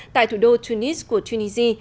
tại thủ đô tunis của tunisia